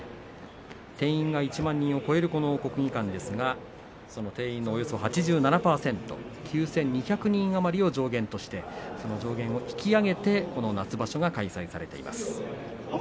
定員が１万人を超える国技館ですがその定員のおよそ８７％９２００人余りを上限として定員を引き上げてこの夏場所が開催されています。